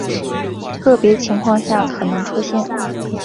个别情况下可能出现。